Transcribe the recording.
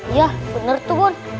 iya bener tuh bon